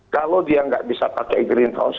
kalau dia nggak bisa pakai greenhouse